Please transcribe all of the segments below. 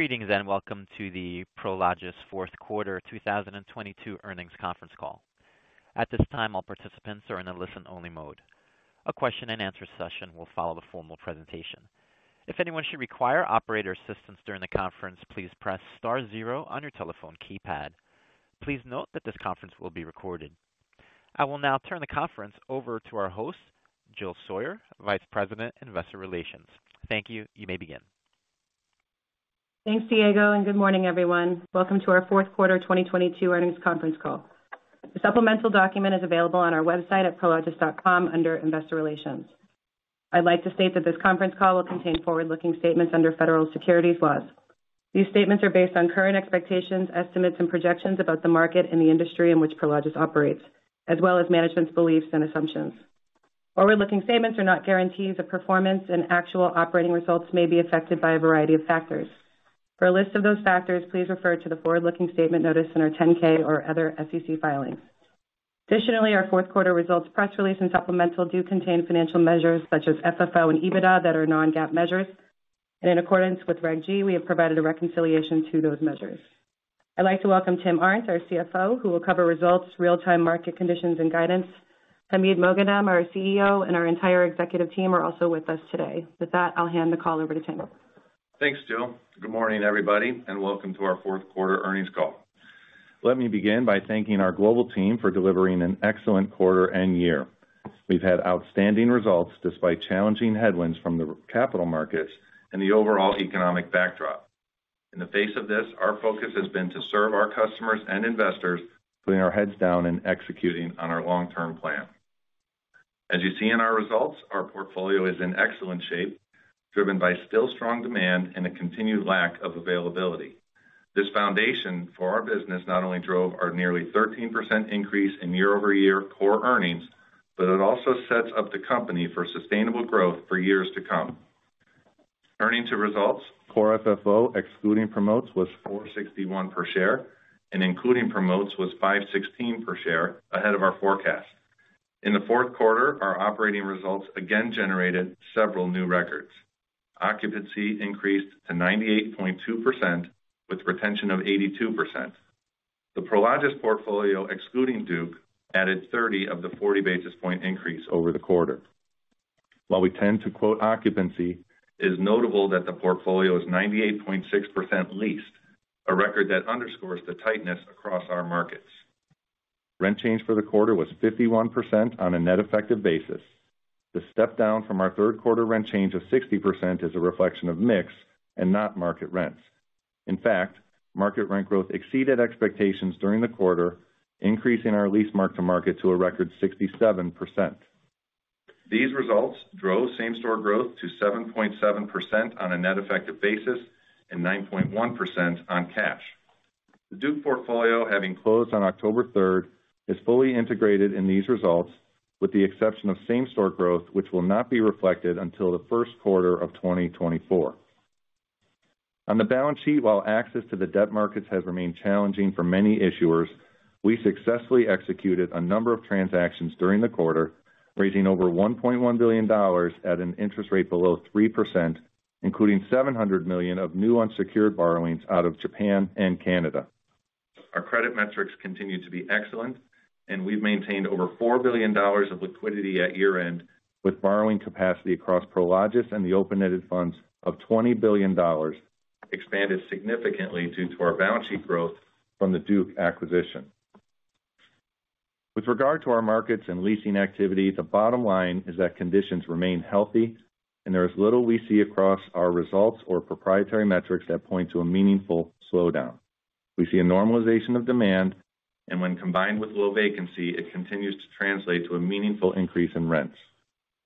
Greetings, welcome to the Prologis Q4 2022 earnings conference call. At this time, all participants are in a listen-only mode. A question-and-answer session will follow the formal presentation. If anyone should require operator assistance during the conference, please press star zero on your telephone keypad. Please note that this conference will be recorded. I will now turn the conference over to our host, Jill Sawyer, Vice President, Investor Relations. Thank you. You may begin. Thanks, Diego, and good morning, everyone. Welcome to our Q4 2022 earnings conference call. The supplemental document is available on our website at prologis.com under Investor Relations. I'd like to state that this conference call will contain forward-looking statements under federal securities laws. These statements are based on current expectations, estimates, and projections about the market and the industry in which Prologis operates, as well as management's beliefs and assumptions. Forward-looking statements are not guarantees of performance, and actual operating results may be affected by a variety of factors. For a list of those factors, please refer to the forward-looking statement notice in our 10-K or other SEC filings. Additionally, our Q4 results, press release, and supplemental do contain financial measures such as FFO and EBITDA that are non-GAAP measures. In accordance with Regulation G, we have provided a reconciliation to those measures. I'd like to welcome Tim Arndt, our CFO, who will cover results, real-time market conditions, and guidance. Hamid Moghadam, our CEO, and our entire executive team are also with us today. With that, I'll hand the call over to Tim. Thanks, Jill. Good morning, everybody, welcome to our Q4 earnings call. Let me begin by thanking our global team for delivering an excellent quarter and year. We've had outstanding results despite challenging headwinds from the capital markets and the overall economic backdrop. In the face of this, our focus has been to serve our customers and investors, putting our heads down and executing on our long-term plan. As you see in our results, our portfolio is in excellent shape, driven by still strong demand and a continued lack of availability. This foundation for our business not only drove our nearly 13% increase in year-over-year core earnings, it also sets up the company for sustainable growth for years to come. Turning to results, Core FFO, excluding promotes, was $4.61 per share, including promotes was $5.16 per share ahead of our forecast. In the Q4, our operating results again generated several new records. Occupancy increased to 98.2% with retention of 82%. The Prologis portfolio, excluding Duke, added 30 of the 40 basis point increase over the quarter. While we tend to quote occupancy, it is notable that the portfolio is 98.6% leased, a record that underscores the tightness across our markets. Rent change for the quarter was 51% on a net effective basis. The step down from our Q3 rent change of 60% is a reflection of mix and not market rents. In fact, market rent growth exceeded expectations during the quarter, increasing our lease mark-to-market to a record 67%. These results drove same-store growth to 7.7% on a net effective basis and 9.1% on cash. The Duke portfolio, having closed on October third, is fully integrated in these results, with the exception of same-store growth, which will not be reflected until the Q1of 2024. On the balance sheet, while access to the debt markets has remained challenging for many issuers, we successfully executed a number of transactions during the quarter, raising over $1.1 billion at an interest rate below 3%, including $700 million of new unsecured borrowings out of Japan and Canada. Our credit metrics continue to be excellent, and we've maintained over $4 billion of liquidity at year-end, with borrowing capacity across Prologis and the open-ended funds of $20 billion expanded significantly due to our balance sheet growth from the Duke acquisition. With regard to our markets and leasing activity, the bottom line is that conditions remain healthy, and there is little we see across our results or proprietary metrics that point to a meaningful slowdown. We see a normalization of demand, and when combined with low vacancy, it continues to translate to a meaningful increase in rents.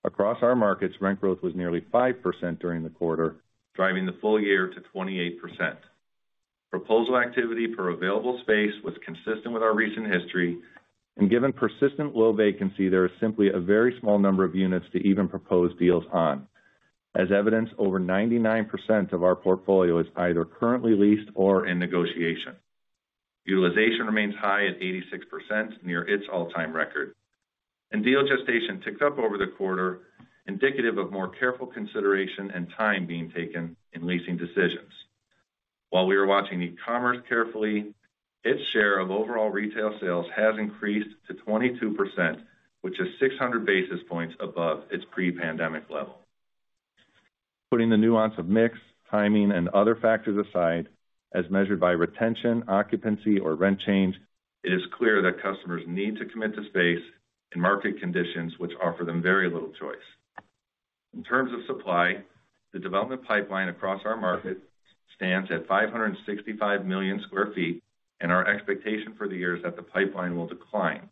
Across our markets, rent growth was nearly 5% during the quarter, driving the full year to 28%. Proposal activity per available space was consistent with our recent history, and given persistent low vacancy, there is simply a very small number of units to even propose deals on. As evidenced, over 99% of our portfolio is either currently leased or in negotiation. Utilization remains high at 86%, near its all-time record. Deal gestation ticked up over the quarter, indicative of more careful consideration and time being taken in leasing decisions. While we are watching e-commerce carefully, its share of overall retail sales has increased to 22%, which is 600 basis points above its pre-pandemic level. Putting the nuance of mix, timing, and other factors aside, as measured by retention, occupancy, or rent change, it is clear that customers need to commit to space and market conditions which offer them very little choice. In terms of supply, the development pipeline across our market stands at 565 million sq ft. Our expectation for the year is that the pipeline will decline.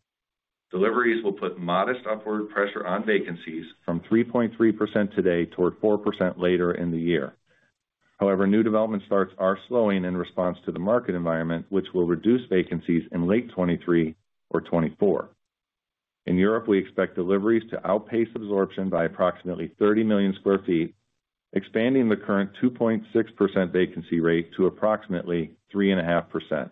Deliveries will put modest upward pressure on vacancies from 3.3% today toward 4% later in the year. However, new development starts are slowing in response to the market environment, which will reduce vacancies in late 2023 or 2024. In Europe, we expect deliveries to outpace absorption by approximately 30 million sq ft, expanding the current 2.6% vacancy rate to approximately 3.5%.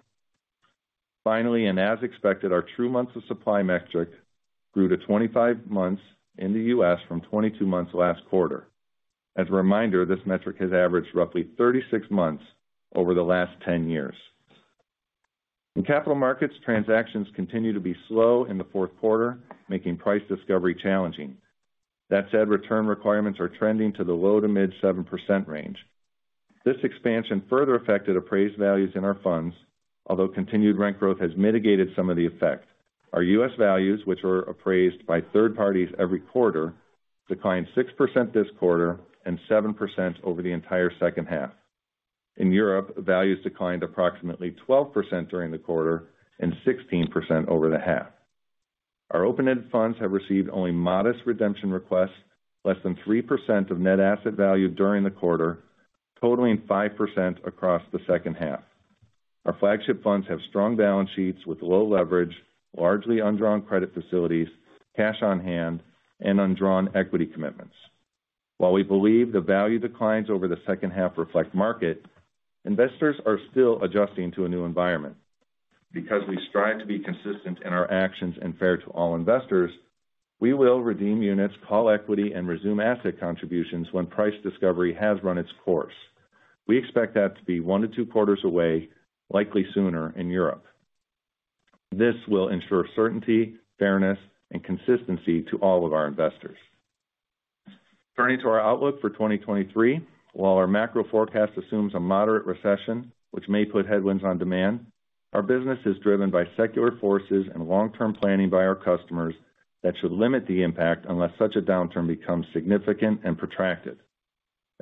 As expected, our True Months of Supply metric grew to 25 months in the U.S. from 22 months last quarter. As a reminder, this metric has averaged roughly 36 months over the last 10 years. In capital markets, transactions continue to be slow in the Q4, making price discovery challenging. That said, return requirements are trending to the low to mid 7% range. This expansion further affected appraised values in our funds. Continued rent growth has mitigated some of the effect. Our U.S. values, which are appraised by third parties every quarter, declined 6% this quarter and 7% over the entire second half. In Europe, values declined approximately 12% during the quarter and 16% over the half. Our open-ended funds have received only modest redemption requests, less than 3% of net asset value during the quarter, totaling 5% across the second half. Our flagship funds have strong balance sheets with low leverage, largely undrawn credit facilities, cash on hand, and undrawn equity commitments. While we believe the value declines over the second half reflect market, investors are still adjusting to a new environment. Because we strive to be consistent in our actions and fair to all investors, we will redeem units, call equity, and resume asset contributions when price discovery has run its course. We expect that to be Q1-Q2 away, likely sooner in Europe. This will ensure certainty, fairness, and consistency to all of our investors. Turning to our outlook for 2023. While our macro forecast assumes a moderate recession, which may put headwinds on demand, our business is driven by secular forces and long-term planning by our customers that should limit the impact unless such a downturn becomes significant and protracted.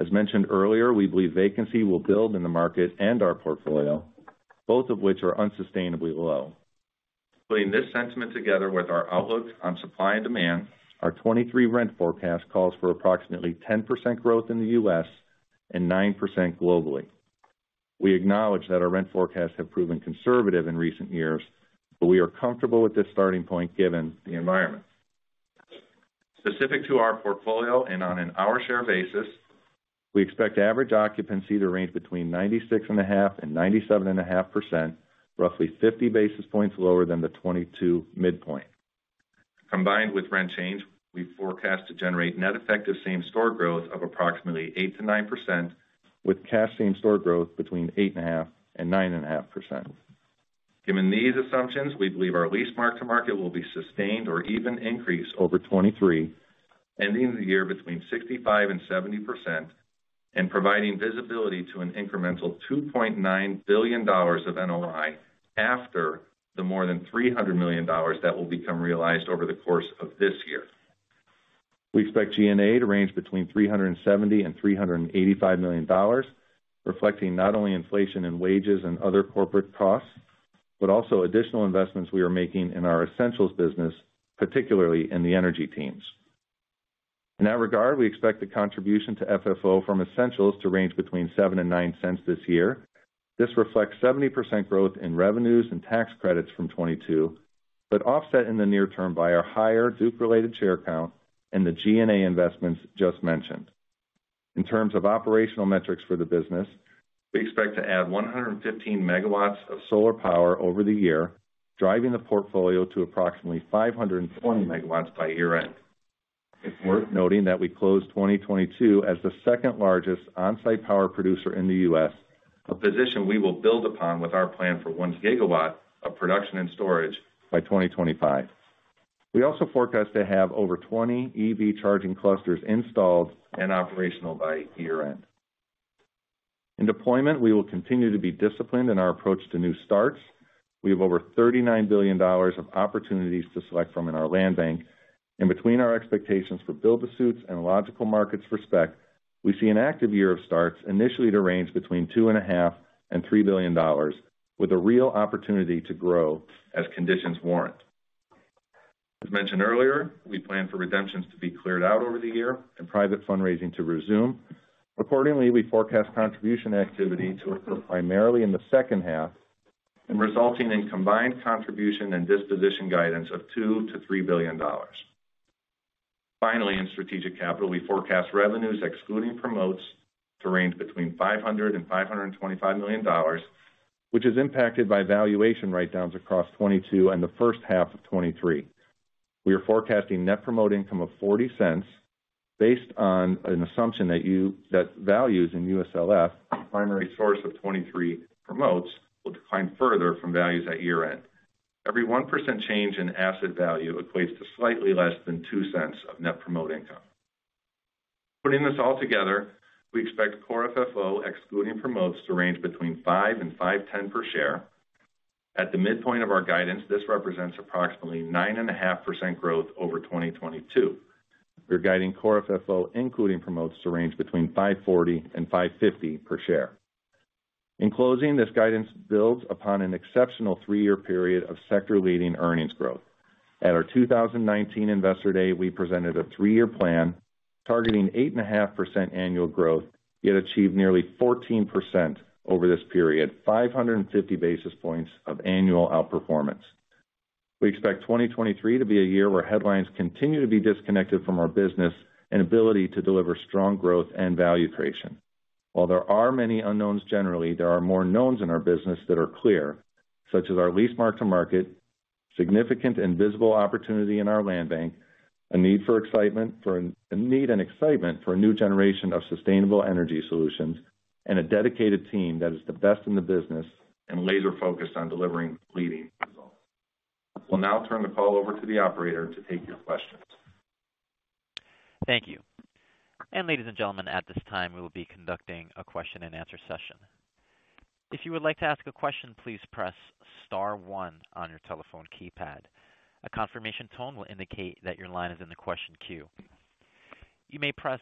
As mentioned earlier, we believe vacancy will build in the market and our portfolio, both of which are unsustainably low. Putting this sentiment together with our outlook on supply and demand, our 23 rent forecast calls for approximately 10% growth in the U.S. and 9% globally. We acknowledge that our rent forecasts have proven conservative in recent years, but we are comfortable with this starting point given the environment. Specific to our portfolio and on an hour share basis, we expect average occupancy to range between 96.5% and 97.5%, roughly 50 basis points lower than the 22 midpoint. Combined with rent change, we forecast to generate net effective same-store growth of approximately 8%-9%, with cash same-store growth between 8.5% and 9.5%. Given these assumptions, we believe our lease mark-to-market will be sustained or even increase over 2023, ending the year between 65% and 70% and providing visibility to an incremental $2.9 billion of NOI after the more than $300 million that will become realized over the course of this year. We expect G&A to range between $370 million and $385 million, reflecting not only inflation in wages and other corporate costs, but also additional investments we are making in our Essentials business, particularly in the energy teams. In that regard, we expect the contribution to FFO from essentials to range between $0.07 and $0.09 this year. This reflects 70% growth in revenues and tax credits from 2022, but offset in the near term by our higher Duke related share count and the G&A investments just mentioned. In terms of operational metrics for the business, we expect to add 115 megawatts of solar power over the year, driving the portfolio to approximately 540 megawatts by year-end. It's worth noting that we closed 2022 as the second largest on-site power producer in the U.S., a position we will build upon with our plan for 1 gigawatt of production and storage by 2025. We also forecast to have over 20 EV charging clusters installed and operational by year-end. In deployment, we will continue to be disciplined in our approach to new starts. We have over $39 billion of opportunities to select from in our land bank. Between our expectations for build-to-suits and logical markets for spec, we see an active year of starts initially to range between $2.5 billion and $3 billion, with a real opportunity to grow as conditions warrant. As mentioned earlier, we plan for redemptions to be cleared out over the year and private fundraising to resume. Accordingly, we forecast contribution activity to occur primarily in the second half and resulting in combined contribution and disposition guidance of $2 billion-$3 billion. Finally, in strategic capital, we forecast revenues excluding promotes to range between $500 million and $525 million, which is impacted by valuation write-downs across 2022 and the first half of 2023. We are forecasting net promote income of $0.40 based on an assumption that values in USLF, the primary source of 23 promotes, will decline further from values at year-end. Every 1% change in asset value equates to slightly less than $0.02 of net promote income. Putting this all together, we expect Core FFO excluding promotes to range between $5.00-$5.10 per share. At the midpoint of our guidance, this represents approximately 9.5% growth over 2022. We're guiding Core FFO, including promotes, to range between $5.40-$5.50 per share. In closing, this guidance builds upon an exceptional three-year period of sector-leading earnings growth. At our 2019 Investor Day, we presented a three-year plan targeting 8.5% annual growth, yet achieved nearly 14% over this period, 550 basis points of annual outperformance. We expect 2023 to be a year where headlines continue to be disconnected from our business and ability to deliver strong growth and value creation. While there are many unknowns, generally, there are more knowns in our business that are clear, such as our lease mark-to-market, significant invisible opportunity in our land bank, a need and excitement for a new generation of sustainable energy solutions, and a dedicated team that is the best in the business and laser focused on delivering leading results. We'll now turn the call over to the operator to take your questions. Thank you. Ladies and gentlemen, at this time, we will be conducting a question and answer session. If you would like to ask a question, please press star one on your telephone keypad. A confirmation tone will indicate that your line is in the question queue. You may press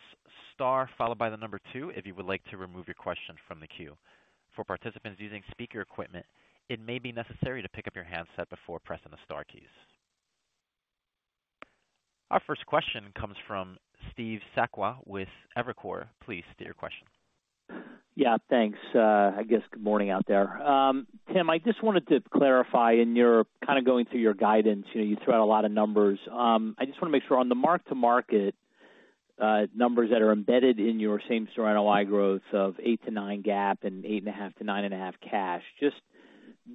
star followed by 2 if you would like to remove your question from the queue. For participants using speaker equipment, it may be necessary to pick up your handset before pressing the star keys. Our first question comes from Steve Sakwa with Evercore. Please state your question. Yeah, thanks. I guess good morning out there. Tim, I just wanted to clarify, in your kind of going through your guidance, you threw out a lot of numbers. I just wanna make sure on the mark-to-market numbers that are embedded in your same-store NOI growth of 8%-9% GAAP and 8.5%-9.5% cash. Just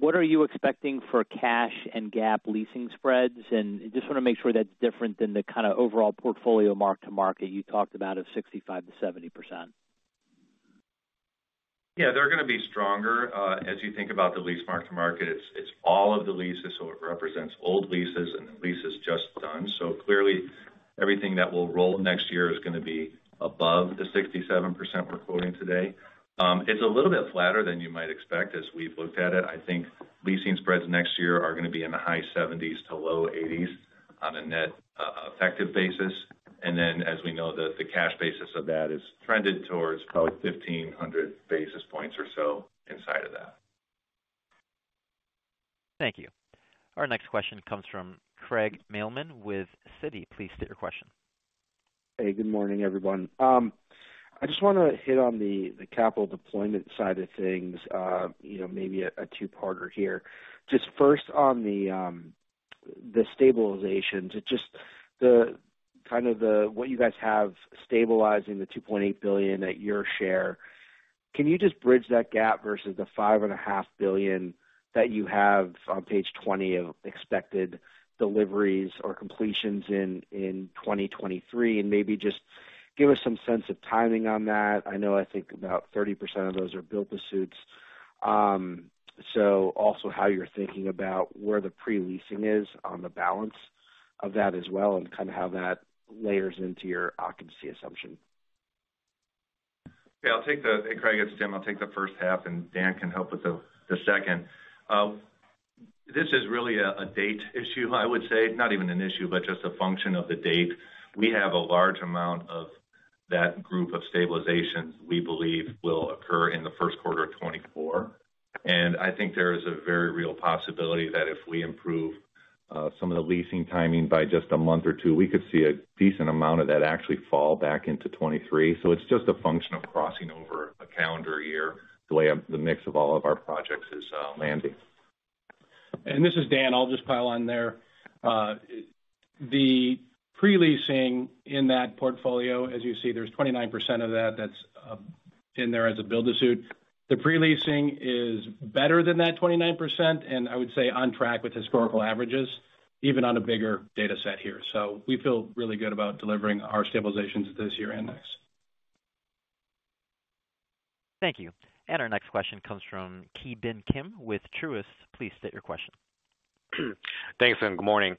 what are you expecting for cash and GAAP leasing spreads? Just wanna make sure that's different than the kinda overall portfolio mark-to-market you talked about of 65%-70%. Yeah, they're gonna be stronger. As you think about the lease mark-to-market, it's all of the leases, so it represents old leases and the leases just done. Clearly, everything that will roll next year is gonna be above the 67% we're quoting today. It's a little bit flatter than you might expect as we've looked at it. I think leasing spreads next year are gonna be in the high 70s to low 80s on a net effective basis. Then as we know, the cash basis of that is trended towards probably 1,500 basis points or so inside of that. Thank you. Our next question comes from Craig Mailman with Citi. Please state your question. Hey, good morning, everyone. I just wanna hit on the capital deployment side of things, maybe a two-parter here. Just first on the stabilization to just the kind of what you guys have stabilizing the $2.8 billion at your share. Can you just bridge that gap versus the $5.5 billion that you have on page 20 of expected deliveries or completions in 2023? Maybe just give us some sense of timing on that. I know I think about 30% of those are build-to-suits. Also how you're thinking about where the pre-leasing is on the balance of that as well, and kind of how that layers into your occupancy assumption. Yeah, I'll take hey, Craig, it's Tim. I'll take the first half. Dan can help with the second. This is really a date issue, I would say. Not even an issue, but just a function of the date. We have a large amount of that group of stabilizations we believe will occur in the Q1 of 2024. I think there is a very real possibility that if we improve some of the leasing timing by just a month or two, we could see a decent amount of that actually fall back into 2023. It's just a function of crossing over a calendar year, the way of the mix of all of our projects is landing. This is Dan. I'll just pile on there. The pre-leasing in that portfolio, as you see, there's 29% of that that's in there as a build-to-suit. The pre-leasing is better than that 29%, and I would say on track with historical averages, even on a bigger data set here. We feel really good about delivering our stabilizations this year and next. Thank you. Our next question comes from Ki Bin Kim with Truist. Please state your question. Thanks, and good morning.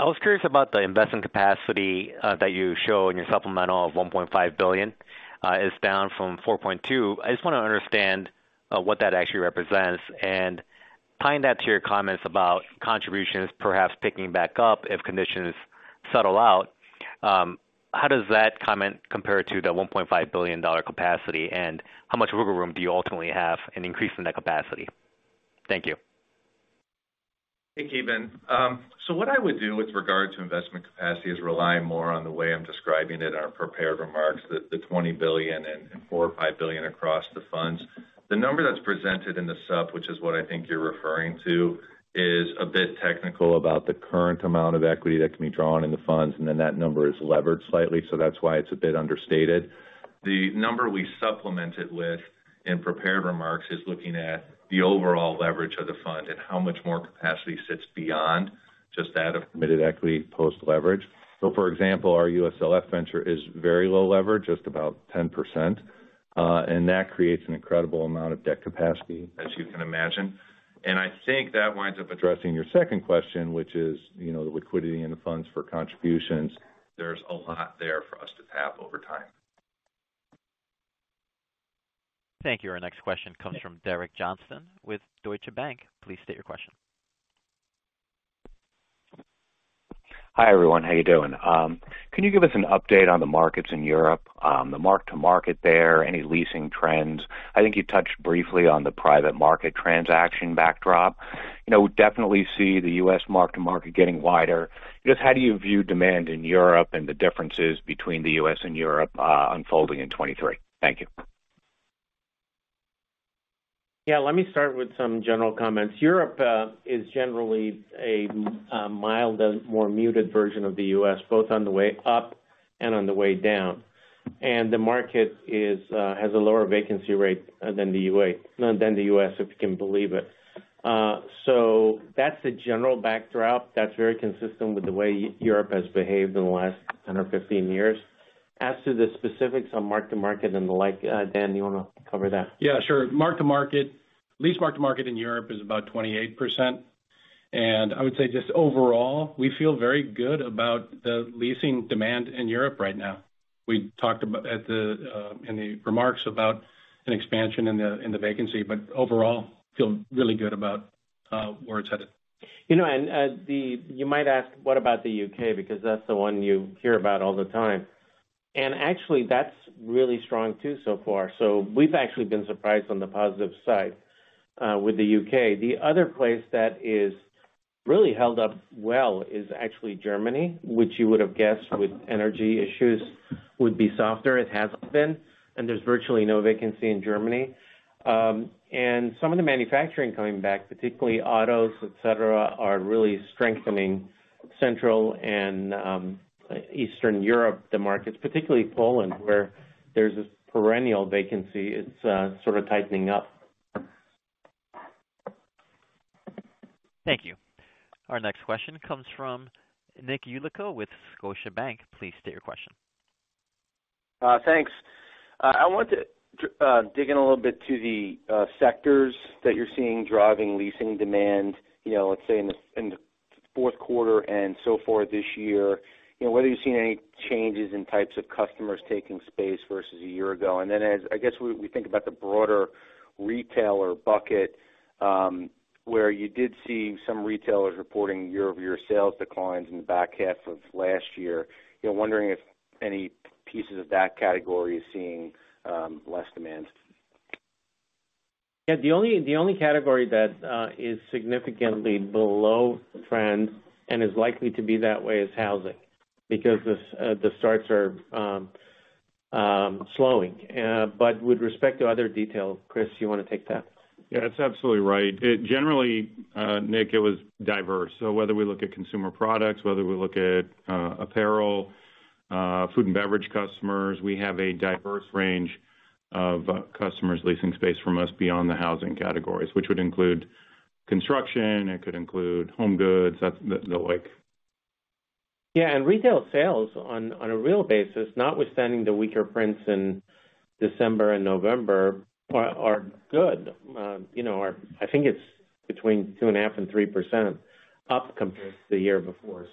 I was curious about the investment capacity that you show in your supplemental of $1.5 billion is down from $4.2 billion. I just wanna understand what that actually represents. Tying that to your comments about contributions perhaps picking back up if conditions settle out, how does that comment compare to the $1.5 billion capacity, and how much wiggle room do you ultimately have in increasing that capacity? Thank you. Hey, Ki Bin. What I would do with regard to investment capacity is rely more on the way I'm describing it in our prepared remarks, the $20 billion and $4 billion-$5 billion across the funds. The number that's presented in the sup, which is what I think you're referring to, is a bit technical about the current amount of equity that can be drawn in the funds. That number is levered slightly, that's why it's a bit understated. The number we supplemented with in prepared remarks is looking at the overall leverage of the fund and how much more capacity sits beyond just that of committed equity post leverage. For example, our USLF venture is very low levered, just about 10%, that creates an incredible amount of debt capacity, as you can imagine. I think that winds up addressing your second question, which is, the liquidity in the funds for contributions. There's a lot there for us to tap over time. Thank you. Our next question comes from Derek Johnston with Deutsche Bank. Please state your question. Hi, everyone. How are you doing? Can you give us an update on the markets in Europe, the mark-to-market there, any leasing trends? I think you touched briefly on the private market transaction backdrop. You know, we definitely see the US mark-to-market getting wider. Just how do you view demand in Europe and the differences between the US and Europe, unfolding in 23? Thank you. Yeah, let me start with some general comments. Europe is generally a mild and more muted version of the US, both on the way up and on the way down. The market is has a lower vacancy rate than the US, if you can believe it. That's a general backdrop that's very consistent with the way Europe has behaved in the last 10 or 15 years. As to the specifics on mark-to-market and the like, Dan, you wanna cover that? Yeah, sure. Mark-to-market. Lease mark-to-market in Europe is about 28%. I would say just overall, we feel very good about the leasing demand in Europe right now. We talked about at the in the remarks about an expansion in the in the vacancy, but overall feel really good about where it's headed. You know, you might ask, what about the UK? Because that's the one you hear about all the time. Actually that's really strong too, so far. We've actually been surprised on the positive side with the UK. The other place that is really held up well is actually Germany, which you would have guessed with energy issues would be softer. It hasn't been, and there's virtually no vacancy in Germany. Some of the manufacturing coming back, particularly autos, et cetera, are really strengthening Central and Eastern Europe, the markets, particularly Poland, where there's this perennial vacancy. It's sort of tightening up. Thank you. Our next question comes from Nicholas Yulico with Scotiabank. Please state your question. Thanks. I want to dig in a little bit to the sectors that you're seeing driving leasing demand, let's say in the Q4 and so far this year. You know, whether you've seen any changes in types of customers taking space versus a year ago. I guess we think about the broader retailer bucket, where you did see some retailers reporting year-over-year sales declines in the back half of last year. You know, wondering if any pieces of that category is seeing less demand. Yeah. The only, the only category that is significantly below trend and is likely to be that way is housing, because the starts are slowing. With respect to other details, Chris, you wanna take that? Yeah, that's absolutely right. It generally, Nick, it was diverse. Whether we look at consumer products, whether we look at apparel, food and beverage customers, we have a diverse range of customers leasing space from us beyond the housing categories, which would include construction, it could include home goods, the like. Yeah. Retail sales on a real basis, notwithstanding the weaker prints in December and November are good. You know, I think it's between 2.5% and 3% up compared to the year before.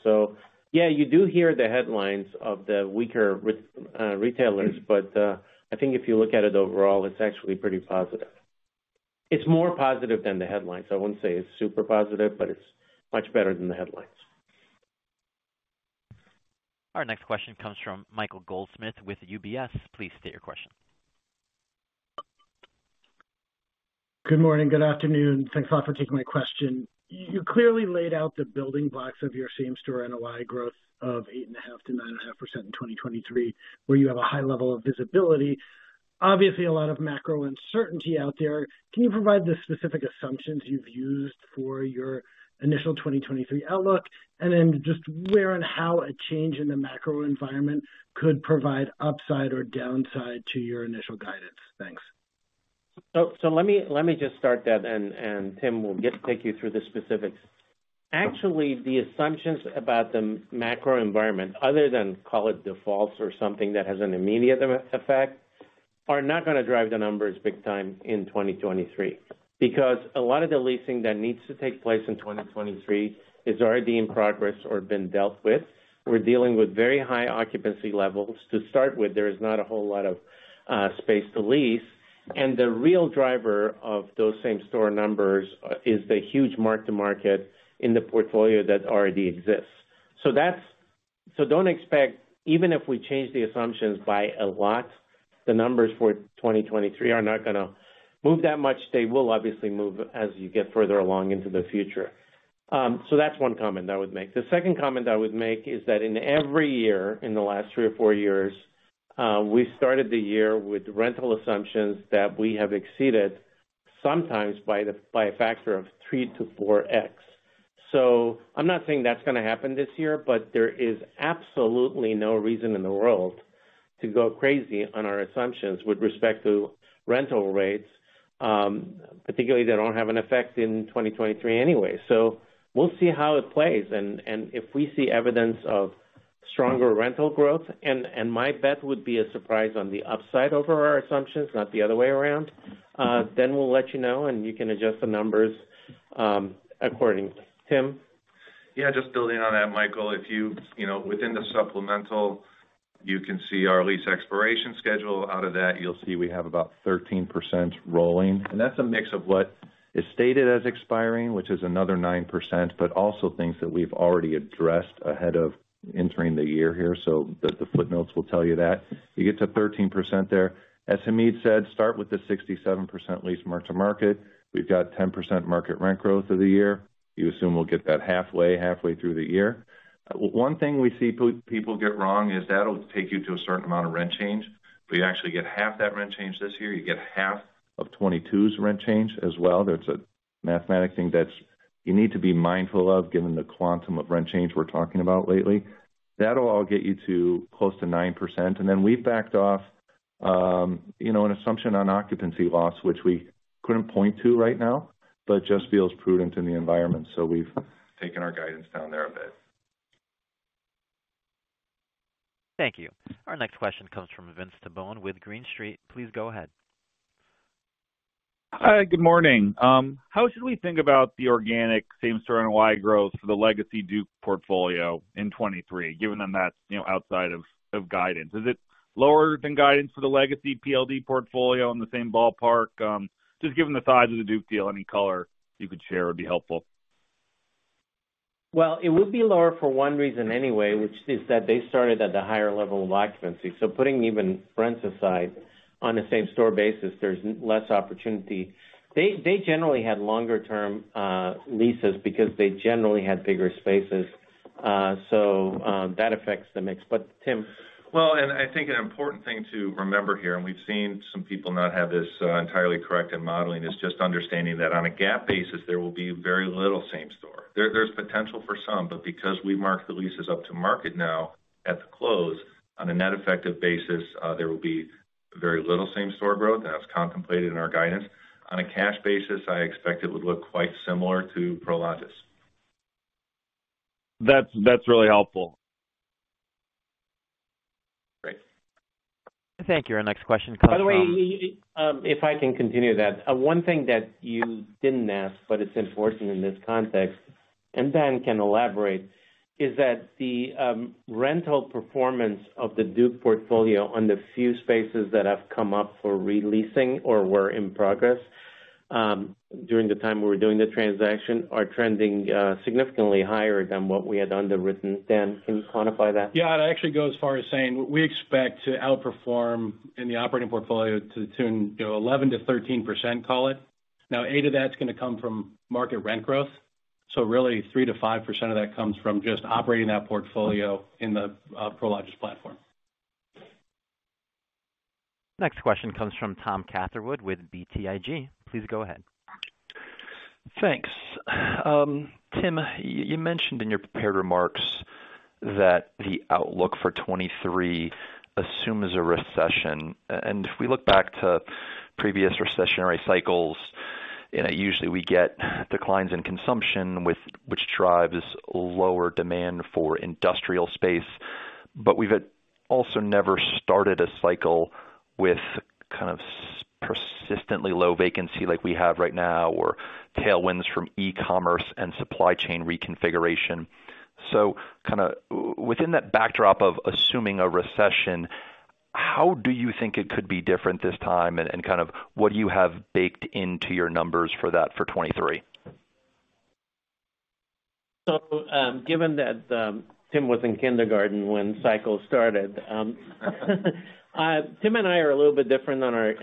Yeah, you do hear the headlines of the weaker retailers, but, I think if you look at it overall, it's actually pretty positive. It's more positive than the headlines. I wouldn't say it's super positive, but it's much better than the headlines. Our next question comes from Michael Goldsmith with UBS. Please state your question. Good morning. Good afternoon. Thanks a lot for taking my question. You clearly laid out the building blocks of your same-store NOI growth of 8.5%-9.5% in 2023, where you have a high level of visibility. Obviously a lot of macro uncertainty out there. Can you provide the specific assumptions you've used for your initial 2023 outlook? Just where and how a change in the macro environment could provide upside or downside to your initial guidance? Thanks. So let me just start that and Tim will take you through the specifics. Actually, the assumptions about the macro environment, other than call it defaults or something that has an immediate effect, are not gonna drive the numbers big time in 2023. A lot of the leasing that needs to take place in 2023 is already in progress or been dealt with. We're dealing with very high occupancy levels. To start with, there is not a whole lot of space to lease, and the real driver of those same-store numbers is the huge mark-to-market in the portfolio that already exists. Don't expect, even if we change the assumptions by a lot, the numbers for 2023 are not gonna move that much. They will obviously move as you get further along into the future. That's one comment I would make. The second comment I would make is that in every year, in the last three or four years, we started the year with rental assumptions that we have exceeded sometimes by a factor of 3 to 4x. I'm not saying that's gonna happen this year, but there is absolutely no reason in the world to go crazy on our assumptions with respect to rental rates, particularly they don't have an effect in 2023 anyway. We'll see how it plays and if we see evidence of stronger rental growth, and my bet would be a surprise on the upside over our assumptions, not the other way around, then we'll let you know and you can adjust the numbers accordingly. Tim. Yeah, just building on that, Michael. If you know, within the supplemental, you can see our lease expiration schedule. Out of that, you'll see we have about 13% rolling, and that's a mix of what is stated as expiring, which is another 9%, but also things that we've already addressed ahead of entering the year here. The footnotes will tell you that. You get to 13% there. As Hamid said, start with the 67% lease mark-to-market. We've got 10% market rent growth of the year. You assume we'll get that halfway through the year. One thing we see people get wrong is that'll take you to a certain amount of rent change. You actually get half that rent change this year. You get half of 2022's rent change as well. That's a mathematic thing. You need to be mindful of given the quantum of rent change we're talking about lately. That'll all get you to close to 9%. We've backed off, an assumption on occupancy loss, which we couldn't point to right now, but just feels prudent in the environment. We've taken our guidance down there a bit. Thank you. Our next question comes from Vince Tibone with Green Street. Please go ahead. Hi, good morning. How should we think about the organic same-store NOI growth for the legacy Duke portfolio in 2023, given that that's, outside of guidance? Is it lower than guidance for the legacy PLD portfolio in the same ballpark? Just given the size of the Duke deal, any color you could share would be helpful. It would be lower for one reason anyway, which is that they started at the higher level of occupancy. Putting even rents aside on a same-store basis, there's less opportunity. They generally had longer-term leases because they generally had bigger spaces. That affects the mix. Tim. I think an important thing to remember here, and we've seen some people not have this entirely correct in modeling, is just understanding that on a GAAP basis, there will be very little same-store. There's potential for some, but because we marked the leases up to market now at the close, on a net effective basis, there will be very little same-store growth. That's contemplated in our guidance. On a cash basis, I expect it would look quite similar to Prologis. That's really helpful. Great. Thank you. Our next question comes from- If I can continue that, one thing that you didn't ask, but it's important in this context, and Dan can elaborate, is that the rental performance of the Duke portfolio on the few spaces that have come up for re-leasing or were in progress during the time we were doing the transaction, are trending significantly higher than what we had underwritten. Dan, can you quantify that? Yeah. I'd actually go as far as saying we expect to outperform in the operating portfolio to tune, 11%-13%, call it. A to that's gonna come from market rent growth. Really 3%-5% of that comes from just operating that portfolio in the Prologis platform. Next question comes from Tom Catherwood with BTIG. Please go ahead. Thanks. Tim, you mentioned in your prepared remarks that the outlook for 2023 assumes a recession. If we look back to previous recessionary cycles, usually we get declines in consumption which drives lower demand for industrial space. We've also never started a cycle with kind of persistently low vacancy like we have right now, or tailwinds from e-commerce and supply chain reconfiguration. Kind of within that backdrop of assuming a recession, how do you think it could be different this time? Kind of what do you have baked into your numbers for that for 2023? Given that Tim was in kindergarten when cycles started, Tim and I are a little bit different on our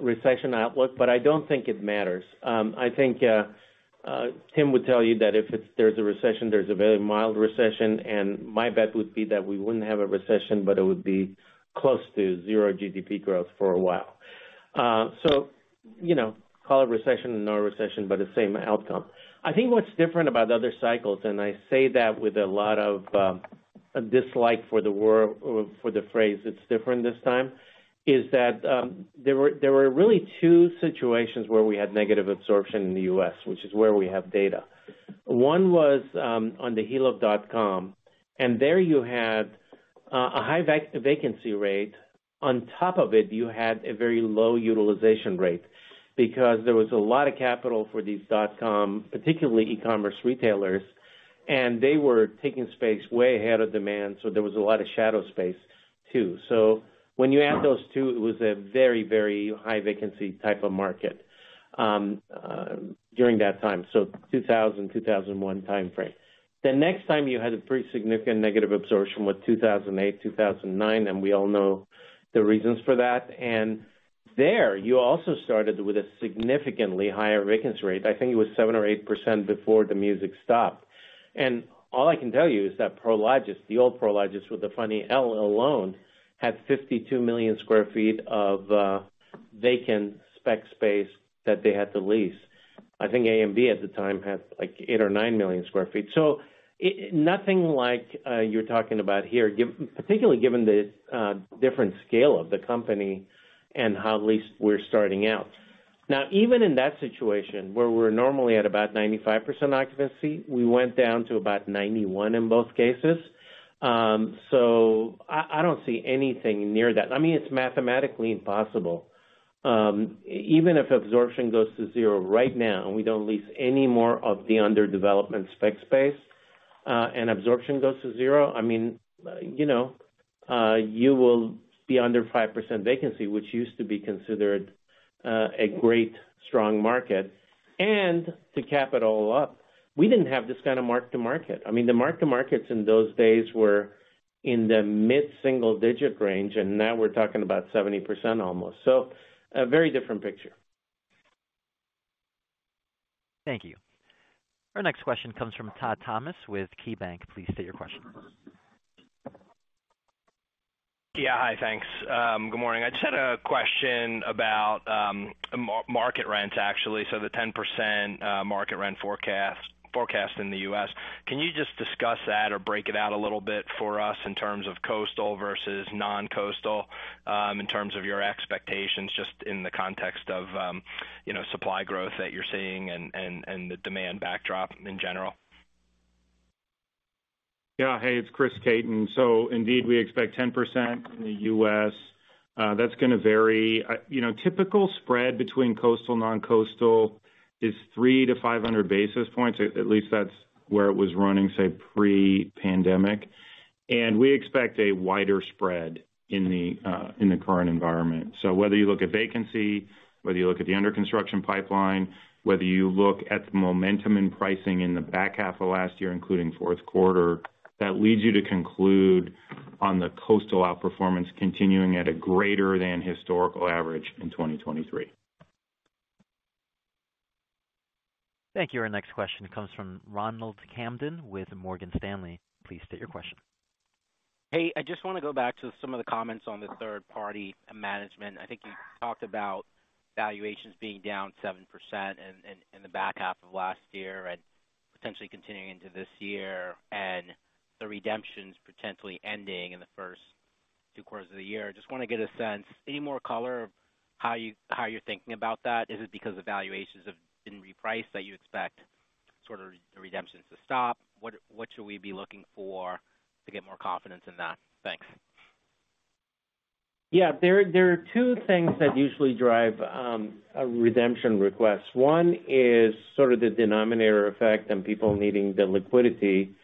recession outlook, but I don't think it matters. I think Tim would tell you that if there's a recession, there's a very mild recession, and my bet would be that we wouldn't have a recession, but it would be close to 0 GDP growth for a while. You know, call it recession or no recession, but the same outcome. I think what's different about other cycles, and I say that with a lot of dislike for the phrase it's different this time, is that there were really 2 situations where we had negative absorption in the U.S., which is where we have data. One was on the heel of dot-com, there you had a high vacancy rate. On top of it, you had a very low utilization rate because there was a lot of capital for these dot-com, particularly e-commerce retailers, they were taking space way ahead of demand, there was a lot of shadow space too. When you add those two, it was a very high vacancy type of market during that time, 2000, 2001 timeframe. The next time you had a pretty significant negative absorption was 2008, 2009, we all know the reasons for that. There you also started with a significantly higher vacancy rate. I think it was 7% or 8% before the music stopped. All I can tell you is that Prologis, the old Prologis with the funny L alone, had 52 million sq ft of vacant spec space that they had to lease. I think AMB at the time had, like, 8 or 9 million sq ft. Nothing like you're talking about here particularly given the different scale of the company and how leased we're starting out. Now, even in that situation where we're normally at about 95% occupancy, we went down to about 91 in both cases. I don't see anything near that. I mean, it's mathematically impossible. Even if absorption goes to 0 right now, and we don't lease any more of the under development spec space, and absorption goes to 0, I mean, you will be under 5% vacancy, which used to be considered a great strong market. To cap it all up, we didn't have this kind of mark-to-market. I mean, the mark-to-markets in those days were in the mid-single digit range, and now we're talking about 70% almost. A very different picture. Thank you. Our next question comes from Todd Thomas with KeyBank. Please state your question. Yeah. Hi, thanks. Good morning. I just had a question about market rents actually. The 10% market rent forecast in the U.S. Can you just discuss that or break it out a little bit for us in terms of coastal versus non-coastal in terms of your expectations, just in the context of, supply growth that you're seeing and the demand backdrop in general? Yeah. Hey, it's Chris Caton. Indeed, we expect 10% in the U.S., that's gonna vary. You know, typical spread between coastal, non-coastal is 300-500 basis points. At least that's where it was running, say, pre-pandemic. We expect a wider spread in the current environment. Whether you look at vacancy, whether you look at the under construction pipeline, whether you look at the momentum in pricing in the back half of last year, including Q4, that leads you to conclude on the coastal outperformance continuing at a greater than historical average in 2023. Thank you. Our next question comes from Ronald Kamdem with Morgan Stanley. Please state your question. Hey, I just wanna go back to some of the comments on the third party management. I think you talked about valuations being down 7% in the back half of last year and potentially continuing into this year, and the redemptions potentially ending in the first Q2s of the year. Just wanna get a sense, any more color how you're thinking about that. Is it because the valuations have been repriced that you expect sort of the redemptions to stop? What should we be looking for to get more confidence in that? Thanks. Yeah. There are 2 things that usually drive a redemption request. One is sort of the denominator effect and people needing the liquidity.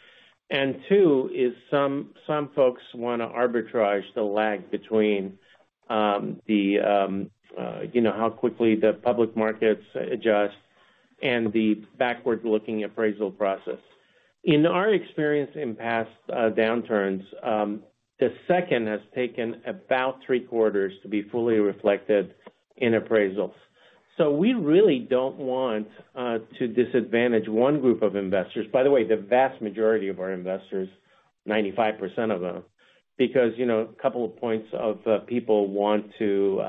Two is some folks wanna arbitrage the lag between the, how quickly the public markets adjust and the backward-looking appraisal process. In our experience in past downturns, the second has taken about Q3 to be fully reflected in appraisals. We really don't want to disadvantage 1 group of investors. By the way, the vast majority of our investors, 95% of them, because, a couple of points of people want to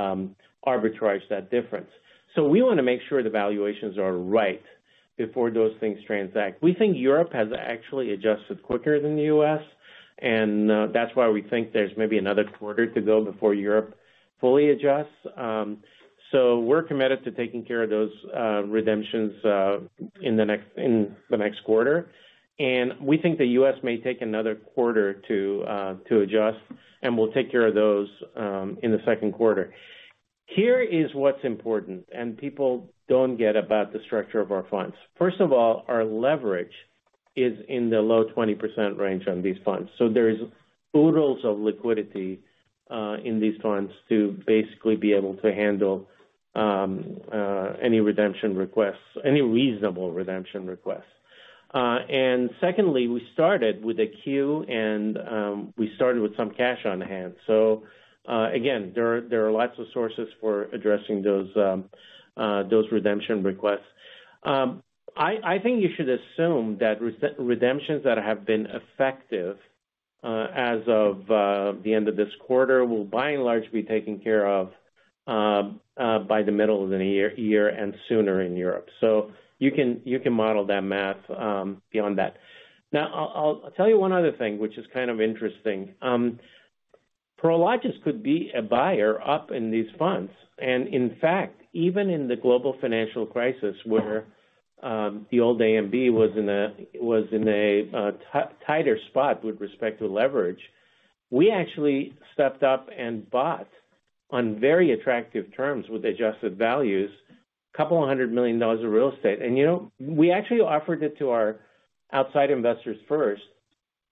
arbitrage that difference. We wanna make sure the valuations are right before those things transact. We think Europe has actually adjusted quicker than the U.S., and that's why we think there's maybe another quarter to go before Europe fully adjusts. So we're committed to taking care of those redemptions in the next quarter. We think the U.S. may take another quarter to adjust, and we'll take care of those in the Q2. Here is what's important, and people don't get about the structure of our funds. First of all, our leverage is in the low 20% range on these funds. There's oodles of liquidity in these funds to basically be able to handle any redemption requests, any reasonable redemption requests. Secondly, we started with a Q and we started with some cash on hand. Again, there are lots of sources for addressing those redemption requests. I think you should assume that redemptions that have been effective as of the end of this quarter, will by and large, be taken care of by the middle of the year and sooner in Europe. You can model that math beyond that. I'll tell you one other thing, which is kind of interesting. Prologis could be a buyer up in these funds. In fact, even in the global financial crisis where the old AMB was in a tighter spot with respect to leverage, we actually stepped up and bought on very attractive terms with adjusted values, a couple of hundred million dollars of real estate. You know, we actually offered it to our outside investors first,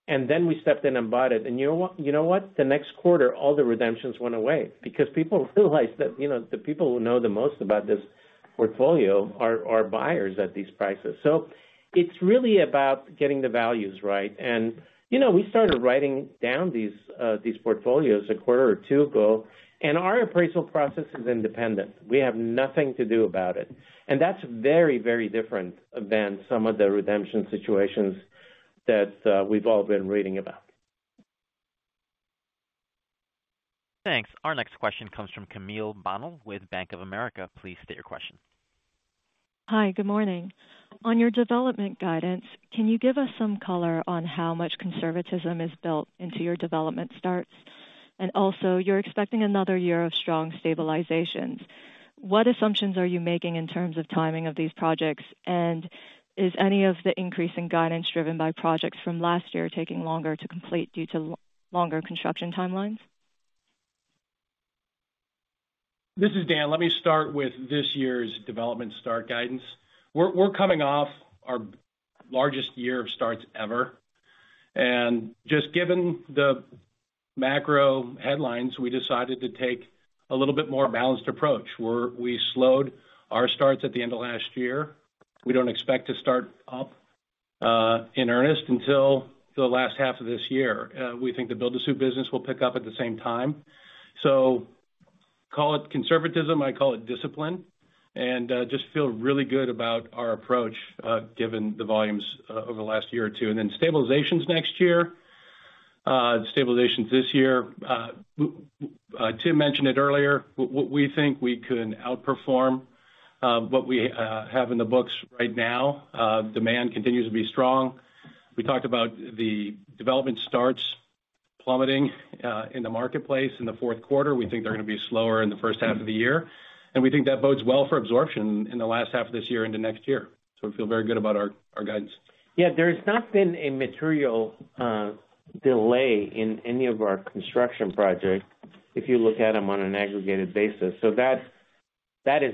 and then we stepped in and bought it. You know what? The next quarter, all the redemptions went away because people realized that, the people who know the most about this portfolio are buyers at these prices. It's really about getting the values right. You know, we started writing down these portfolios a quarter or two ago, and our appraisal process is independent. We have nothing to do about it. That's very, very different than some of the redemption situations that we've all been reading about. Thanks. Our next question comes from Camille Bonnel with Bank of America. Please state your question. Hi, good morning. On your development guidance, can you give us some color on how much conservatism is built into your development starts? Also, you're expecting another year of strong stabilizations. What assumptions are you making in terms of timing of these projects? Is any of the increase in guidance driven by projects from last year taking longer to complete due to longer construction timelines? This is Dan. Let me start with this year's development start guidance. We're coming off our largest year of starts ever, just given the macro headlines, we decided to take a little bit more balanced approach, where we slowed our starts at the end of last year. We don't expect to start up in earnest until the last half of this year. We think the build-to-suit business will pick up at the same time. Call it conservatism, I call it discipline. Just feel really good about our approach given the volumes over the last year or two. Stabilizations next year, stabilizations this year. Tim mentioned it earlier, we think we can outperform what we have in the books right now. Demand continues to be strong. We talked about the development starts plummeting in the marketplace in the Q4. We think they're gonna be slower in the first half of the year, and we think that bodes well for absorption in the last half of this year into next year. We feel very good about our guidance. Yeah, there's not been a material delay in any of our construction projects if you look at them on an aggregated basis. That has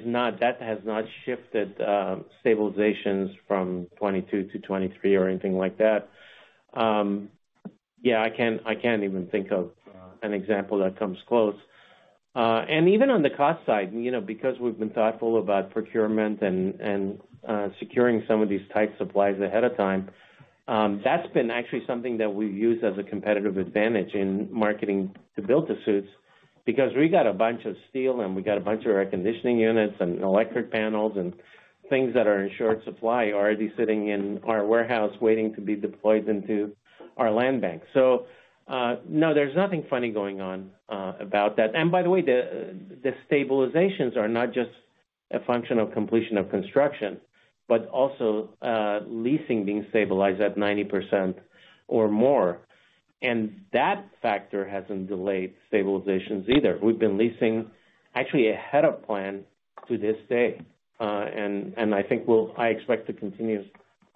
not shifted stabilizations from 22 to 23 or anything like that. Yeah, I can't even think of an example that comes close. Even on the cost side, because we've been thoughtful about procurement and securing some of these tight supplies ahead of time, that's been actually something that we've used as a competitive advantage in marketing to build-to-suits. We got a bunch of steel and we got a bunch of air conditioning units and electric panels and things that are in short supply already sitting in our warehouse waiting to be deployed into our land bank. No, there's nothing funny going on about that. By the way, the stabilizations are not just a function of completion of construction, but also leasing being stabilized at 90% or more. That factor hasn't delayed stabilizations either. We've been leasing actually ahead of plan to this day. And I expect to continue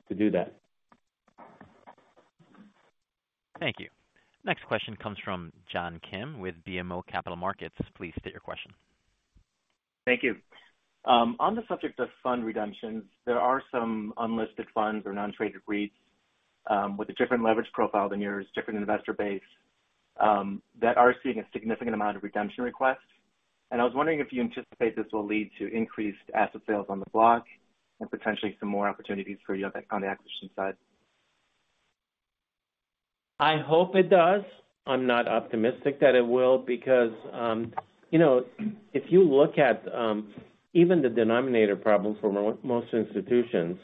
to do that. Thank you. Next question comes from John Kim with BMO Capital Markets. Please state your question. Thank you. On the subject of fund redemptions, there are some unlisted funds or non-traded REITs, with a different leverage profile than yours, different investor base, that are seeing a significant amount of redemption requests. I was wondering if you anticipate this will lead to increased asset sales on the block and potentially some more opportunities for you on the acquisition side? I hope it does. I'm not optimistic that it will because, if you look at, even the denominator problems for most institutions,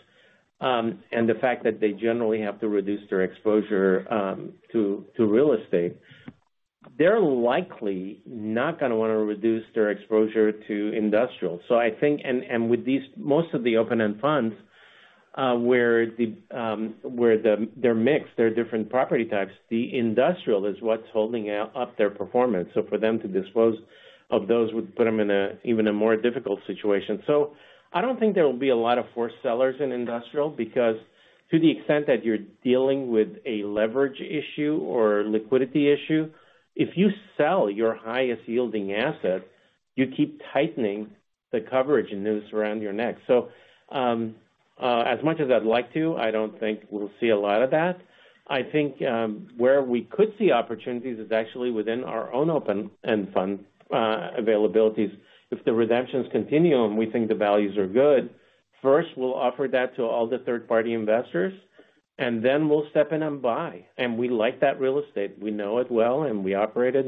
and the fact that they generally have to reduce their exposure to real estate, they're likely not gonna wanna reduce their exposure to industrial. I think. With these, most of the open-end funds, where the, where the, they're mixed, they're different property types, the industrial is what's holding up their performance. For them to dispose of those would put them in a even a more difficult situation. I don't think there will be a lot of forced sellers in industrial because to the extent that you're dealing with a leverage issue or liquidity issue, if you sell your highest yielding asset, you keep tightening the coverage noose around your neck. As much as I'd like to, I don't think we'll see a lot of that. I think where we could see opportunities is actually within our own open-end fund availabilities. If the redemptions continue and we think the values are good, first, we'll offer that to all the third-party investors, and then we'll step in and buy. We like that real estate. We know it well, and we operate it.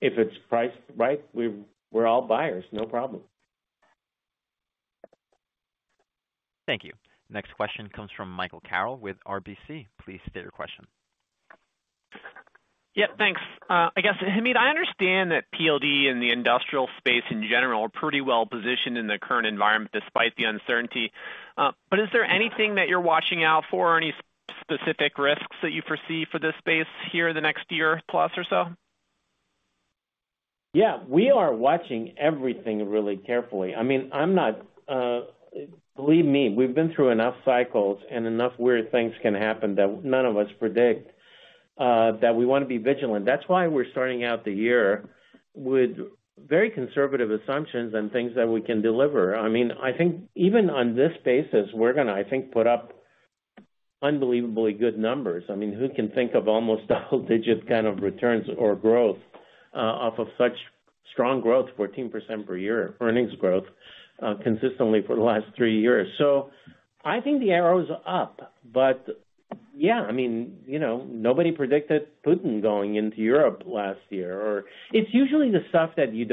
If it's priced right, we're all buyers. No problem. Thank you. Next question comes from Michael Carroll with RBC. Please state your question. Yeah, thanks. I guess, Hamid, I understand that PLD and the industrial space in general are pretty well positioned in the current environment despite the uncertainty. Is there anything that you're watching out for or any specific risks that you foresee for this space here in the next year plus or so? Yeah. We are watching everything really carefully. Believe me, we've been through enough cycles and enough weird things can happen that none of us predict that we wanna be vigilant. That's why we're starting out the year with very conservative assumptions on things that we can deliver. I mean, I think even on this basis, we're gonna, I think, put up unbelievably good numbers. I mean, who can think of almost double-digit kind of returns or growth off of such strong growth, 14% per year earnings growth consistently for the last three years? I think the arrow's up. Yeah, I mean, nobody predicted Putin going into Europe last year or... It's usually the stuff that you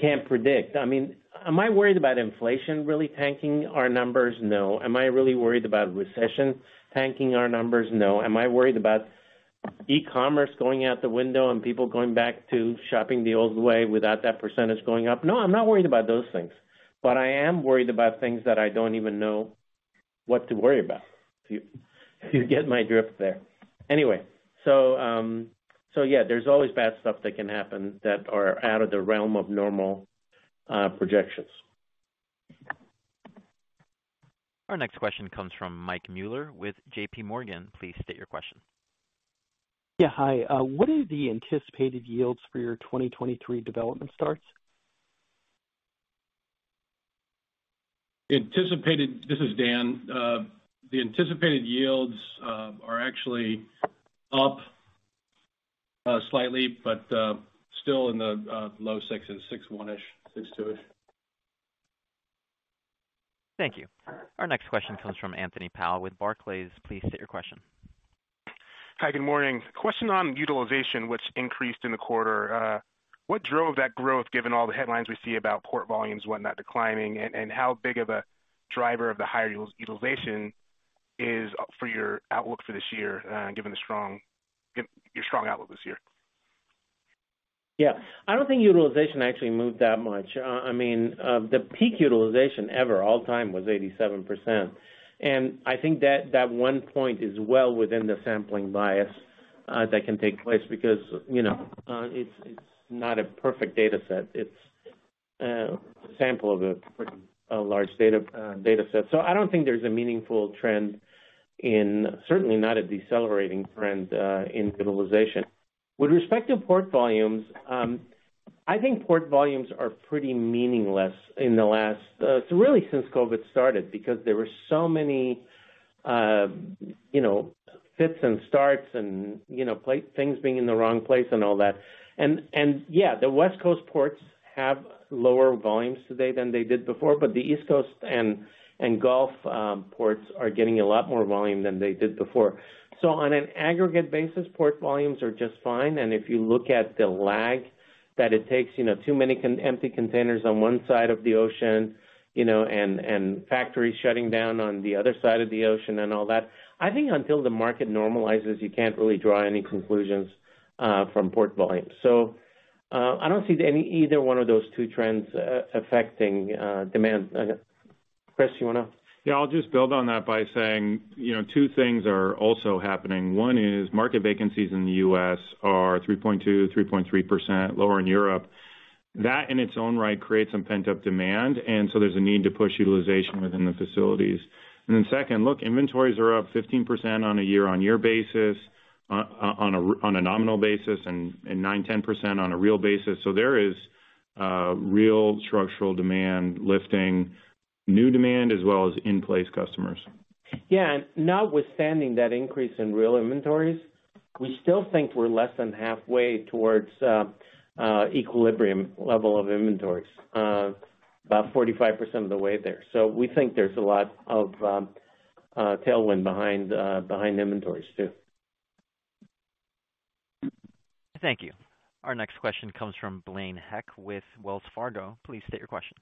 can't predict. I mean, am I worried about inflation really tanking our numbers? No. Am I really worried about recession tanking our numbers? No. Am I worried about e-commerce going out the window and people going back to shopping the old way without that percentage going up? No, I'm not worried about those things. I am worried about things that I don't even know what to worry about, if you get my drift there. Anyway. Yeah, there's always bad stuff that can happen that are out of the realm of normal projections. Our next question comes from Michael Mueller with J.P. Morgan. Please state your question. Yeah. Hi. What are the anticipated yields for your 2023 development starts? This is Dan. The anticipated yields are actually up slightly, still in the low sixes, 6.1-ish, 6.2-ish. Thank you. Our next question comes from Anthony Powell with Barclays. Please state your question. Hi, good morning. Question on utilization, which increased in the quarter. What drove that growth, given all the headlines we see about port volumes, what not declining, and how big of a driver of the higher utilization is for your outlook for this year, given your strong outlook this year? Yeah. I don't think utilization actually moved that much. I mean, the peak utilization ever all time was 87%. I think that that one point is well within the sampling bias that can take place because, it's not a perfect data set. It's a sample of a pretty, a large data set. So I don't think there's a meaningful trend and certainly not a decelerating trend in utilization. With respect to port volumes, I think port volumes are pretty meaningless in the last, so really since COVID started, because there were so many, fits and starts and, play things being in the wrong place and all that. Yeah, the West Coast ports have lower volumes today than they did before, but the East Coast and Gulf ports are getting a lot more volume than they did before. On an aggregate basis, port volumes are just fine. If you look at the lag that it takes, too many empty containers on one side of the ocean, and factories shutting down on the other side of the ocean and all that, I think until the market normalizes, you can't really draw any conclusions from port volumes. I don't see any, either one of those two trends affecting demand. Chris, you wanna. Yeah, I'll just build on that by saying, two things are also happening. One is market vacancies in the U.S. are 3.2, 3.3% lower in Europe. That in its own right creates some pent-up demand, and so there's a need to push utilization within the facilities. Second, look, inventories are up 15% on a year-over-year basis, on a nominal basis and 9, 10% on a real basis. There is real structural demand lifting new demand as well as in place customers. Yeah. Notwithstanding that increase in real inventories, we still think we're less than halfway towards equilibrium level of inventories, about 45% of the way there. We think there's a lot of tailwind behind behind inventories too. Thank you. Our next question comes from Blaine Heck with Wells Fargo. Please state your question.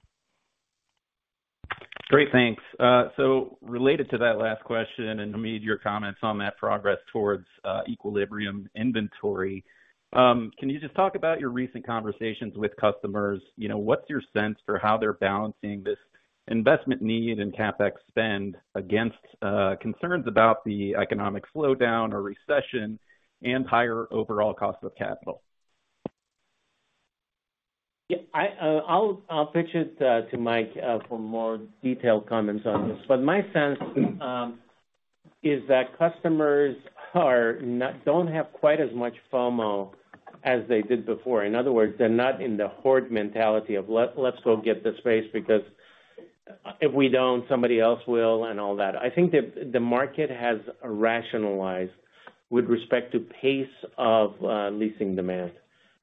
Great. Thanks. Related to that last question, and Hamid, your comments on that progress towards equilibrium inventory, can you just talk about your recent conversations with customers? You know, what's your sense for how they're balancing this investment need and CapEx spend against concerns about the economic slowdown or recession and higher overall cost of capital? Yeah, I'll pitch it to Mike for more detailed comments on this. But my sense is that customers don't have quite as much FOMO as they did before. In other words, they're not in the hoard mentality of let's go get the space because if we don't, somebody else will, and all that. I think the market has rationalized with respect to pace of leasing demand,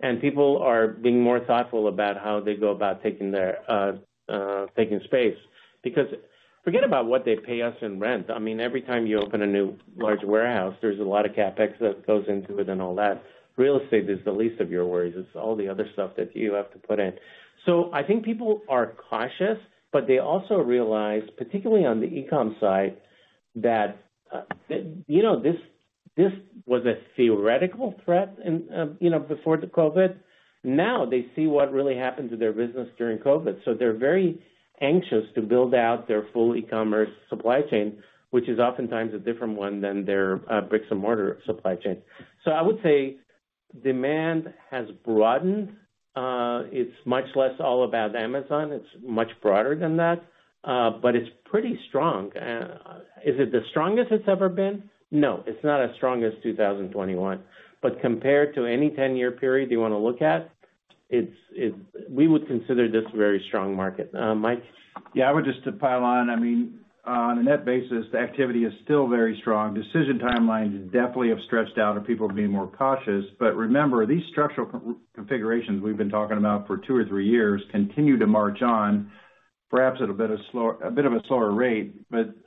and people are being more thoughtful about how they go about taking space. Because forget about what they pay us in rent. I mean, every time you open a new large warehouse, there's a lot of CapEx that goes into it and all that. Real estate is the least of your worries. It's all the other stuff that you have to put in. I think people are cautious, but they also realize, particularly on the e-com side, that, this was a theoretical threat and, before the COVID. Now they see what really happened to their business during COVID. They're very anxious to build out their full e-commerce supply chain, which is oftentimes a different one than their, bricks and mortar supply chain. I would say demand has broadened. It's much less all about Amazon. It's much broader than that, but it's pretty strong. Is it the strongest it's ever been? No, it's not as strong as 2021. Compared to any 10-year period you want to look at, it's we would consider this a very strong market. Mike. Yeah, I would just to pile on, I mean, on a net basis, the activity is still very strong. Decision timelines definitely have stretched out, and people are being more cautious. Remember, these structural configurations we've been talking about for two or three years continue to march on, perhaps at a bit of a slower rate.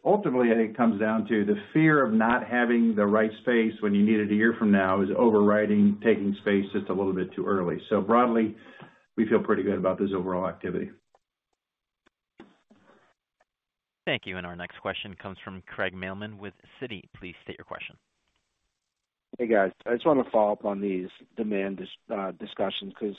Ultimately, it comes down to the fear of not having the right space when you need it a year from now is overriding taking space just a little bit too early. Broadly, we feel pretty good about this overall activity. Thank you. Our next question comes from Craig Mailman with Citi. Please state your question. Hey, guys. I just want to follow up on these demand discussions because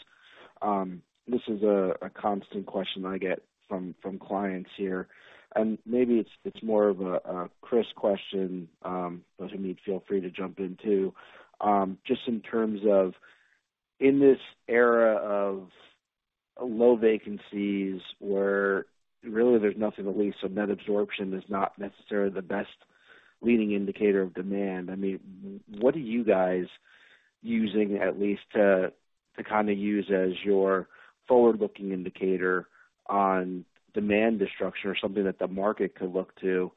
this is a constant question I get from clients here, and maybe it's more of a Chris question. Hamid, feel free to jump in too. Just in terms of in this era of low vacancies where really there's nothing to lease, so net absorption is not necessarily the best leading indicator of demand. I mean, what are you guys using at least to kind of use as your forward-looking indicator on demand destruction or something that the market could look to?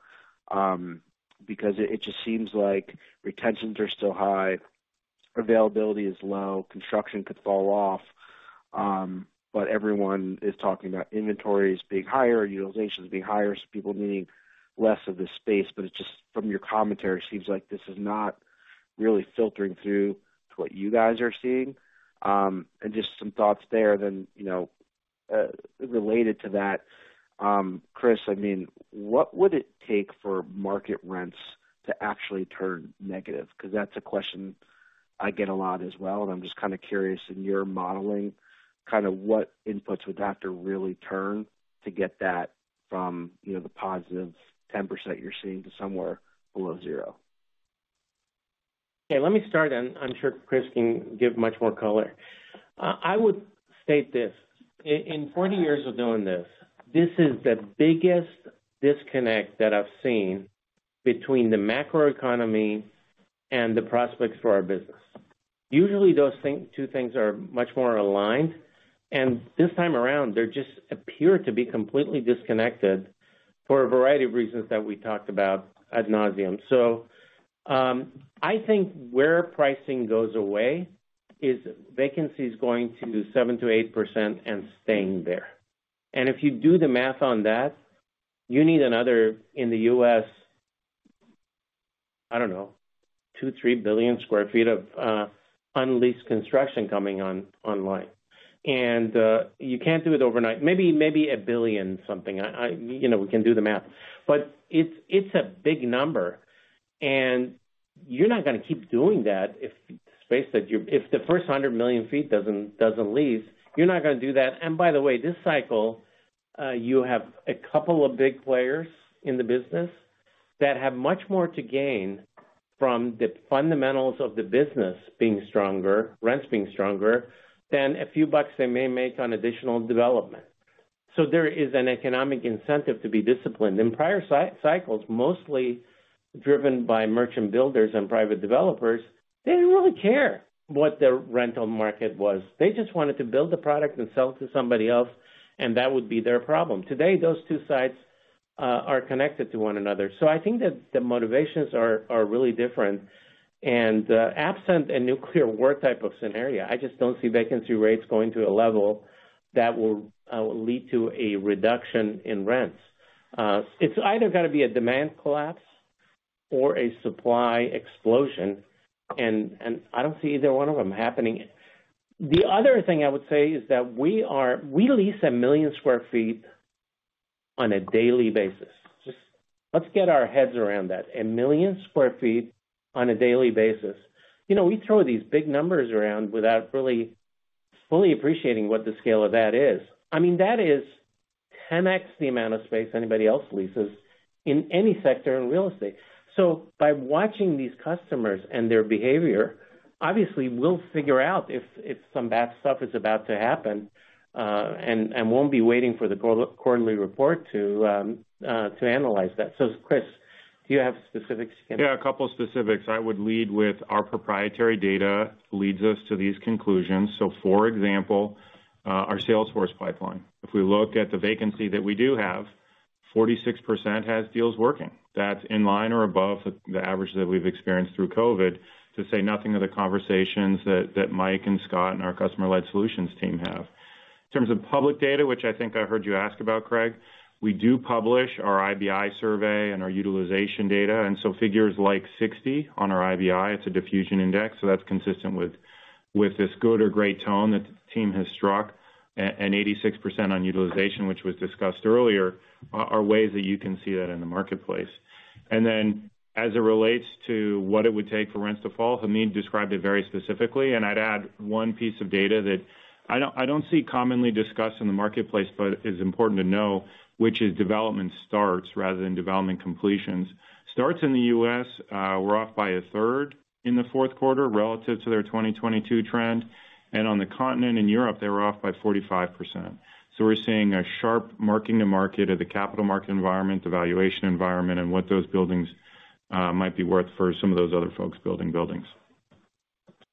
It just seems like retentions are still high. Availability is low, construction could fall off. Everyone is talking about inventories being higher, utilizations being higher, so people needing less of the space. It's just from your commentary, it seems like this is not really filtering through to what you guys are seeing. Just some thoughts there then, related to that, Chris, I mean, what would it take for market rents to actually turn negative? Because that's a question I get a lot as well, and I'm just kind of curious, in your modeling, kind of what inputs would have to really turn to get that from, the positive 10% you're seeing to somewhere below zero. Okay, let me start, and I'm sure Chris can give much more color. I would state this. In 40 years of doing this is the biggest disconnect that I've seen between the macroeconomy and the prospects for our business. Usually, those two things are much more aligned, and this time around, they just appear to be completely disconnected for a variety of reasons that we talked about ad nauseam. I think where pricing goes away is vacancy is going to 7%-8% and staying there. If you do the math on that, you need another, in the U.S., I don't know, $2 billion, $3 billion sq ft of unleased construction coming on, online. You can't do it overnight. Maybe $1 billion something. You know, we can do the math. It's a big number, and you're not gonna keep doing that if the space that you're if the first 100 million feet doesn't lease, you're not gonna do that. By the way, this cycle, you have a couple of big players in the business that have much more to gain from the fundamentals of the business being stronger, rents being stronger, than a few bucks they may make on additional development. There is an economic incentive to be disciplined. In prior cycles, mostly driven by merchant builders and private developers, they didn't really care what the rental market was. They just wanted to build the product and sell it to somebody else, and that would be their problem. Today, those two sides are connected to one another. I think that the motivations are really different. Absent a nuclear war type of scenario, I just don't see vacancy rates going to a level that will lead to a reduction in rents. It's either gotta be a demand collapse or a supply explosion, and I don't see either one of them happening. The other thing I would say is that we lease 1 million sq ft on a daily basis. Just let's get our heads around that. 1 million sq ft on a daily basis. You know, we throw these big numbers around without really fully appreciating what the scale of that is. I mean, that is 10x the amount of space anybody else leases in any sector in real estate. By watching these customers and their behavior, obviously we'll figure out if some bad stuff is about to happen, and won't be waiting for the quarterly report to analyze that. Chris, do you have specifics? A couple specifics. I would lead with our proprietary data leads us to these conclusions. For example, our sales force pipeline. If we look at the vacancy that we do have, 46% has deals working. That's in line or above the average that we've experienced through COVID, to say nothing of the conversations that Mike and Scott and our customer-led solutions team have. In terms of public data, which I think I heard you ask about, Craig, we do publish our IBI survey and our utilization data, and so figures like 60 on our IBI, it's a diffusion index, so that's consistent with this good or great tone that the team has struck. And 86% on utilization, which was discussed earlier, are ways that you can see that in the marketplace. As it relates to what it would take for rents to fall, Hamid described it very specifically, and I don't see commonly discussed in the marketplace, but is important to know, which is development starts rather than development completions. Starts in the U.S. were off by 1/3 in the Q4 relative to their 2022 trend. On the continent in Europe, they were off by 45%. We're seeing a sharp mark-to-market of the capital market environment, the valuation environment, and what those buildings might be worth for some of those other folks building buildings.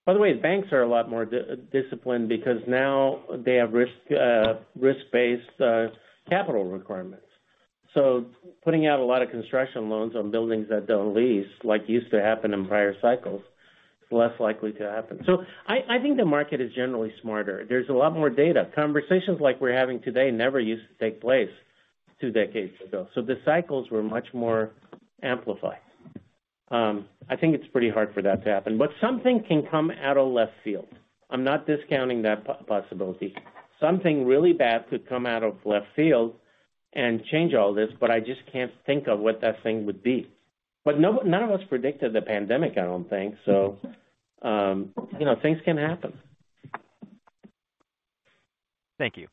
By the way, banks are a lot more disciplined because now they have risk-based capital requirements. Putting out a lot of construction loans on buildings that don't lease, like used to happen in prior cycles, is less likely to happen. I think the market is generally smarter. There's a lot more data. Conversations like we're having today never used to take place two decades ago. The cycles were much more amplified. I think it's pretty hard for that to happen. Something can come out of left field. I'm not discounting that possibility. Something really bad could come out of left field and change all this, but I just can't think of what that thing would be. None of us predicted the pandemic, I don't think, so, things can happen. Thank you.